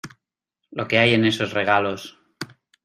Lo que hay en esos regalos.